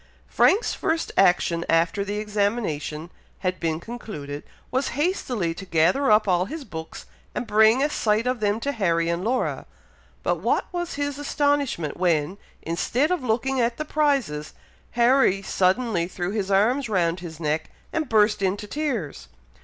Frank's first action, after the examination had been concluded, was hastily to gather up all his books, and bring a sight of them to Harry and Laura; but what was his astonishment when, instead of looking at the prizes, Harry suddenly threw his arms round his neck, and burst into tears.